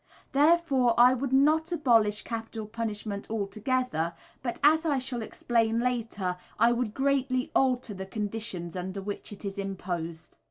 Therefore I would not abolish capital punishment altogether, but, as I shall explain later, I would greatly alter the conditions under which it is imposed.